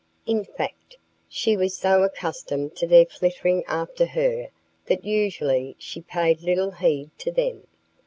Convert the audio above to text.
In fact, she was so accustomed to their flittering after her that usually she paid little heed to them.